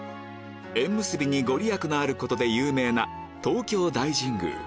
縁結びに御利益のあることで有名な東京大神宮